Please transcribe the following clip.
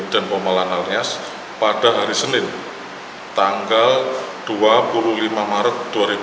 dan pemala lanal nias pada hari senin tanggal dua puluh lima maret dua ribu dua puluh empat